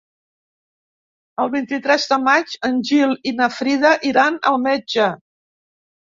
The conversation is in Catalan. El vint-i-tres de maig en Gil i na Frida iran al metge.